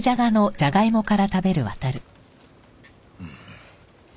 うん。